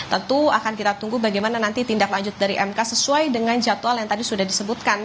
tentu akan kita tunggu bagaimana nanti tindak lanjut dari mk sesuai dengan jadwal yang tadi sudah disebutkan